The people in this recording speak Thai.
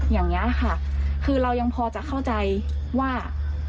อย่างนี้ค่ะคือเรายังพอจะเข้าใจว่า